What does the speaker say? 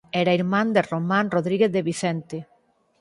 Era irmán de Román Rodríguez de Vicente.